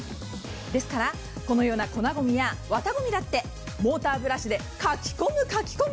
ですから、このような粉ごみや綿ごみだって、モーターブラシでかき込む、かき込む。